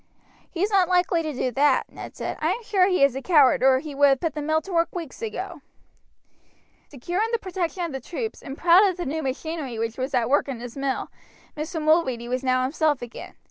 "He's not likely to do that," Ned said. "I am sure he is a coward or he would have put the mill to work weeks ago." Secure in the protection of the troops, and proud of the new machinery which was at work in his mill, Mr. Mulready was now himself again.